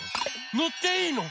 のっていいの？